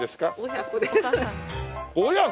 親子です。